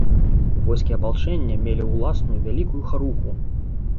Войскі апалчэння мелі ўласную вялікую харугву.